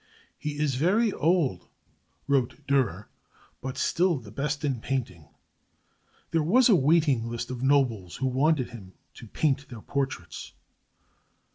"He is very old," wrote Dürer, "but still the best in painting." There was a waiting list of nobles who wanted him to paint their portraits.